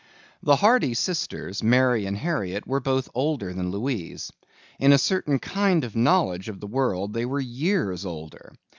The Hardy sisters, Mary and Harriet, were both older than Louise. In a certain kind of knowledge of the world they were years older.